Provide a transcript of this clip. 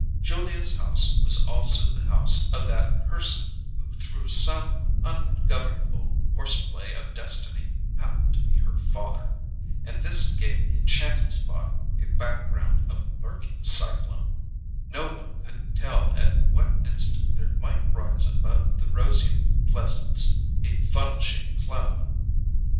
Julia's house was also the house of that person who through some ungovernable horseplay of destiny happened to be her father: and this gave the enchanted spot a background of lurking cyclone no one could tell at what instant there might rise above the roseate pleasance a funnel shaped cloud.